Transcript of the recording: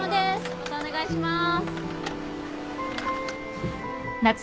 またお願いします。